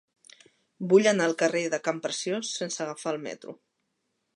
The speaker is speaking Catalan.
Vull anar al carrer de Campreciós sense agafar el metro.